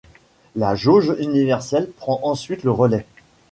La Jauge universelle prend ensuite le relai.